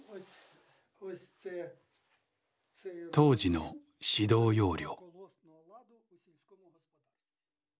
当時の指導要領。